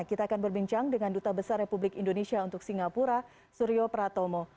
kita akan berbincang dengan duta besar republik indonesia untuk singapura suryo pratomo